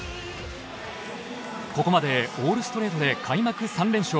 ここまでオールストレートで開幕３連勝。